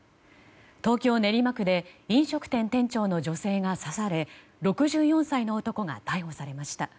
東京・練馬区で飲食店店長の女性が刺され６４歳の男が逮捕されました。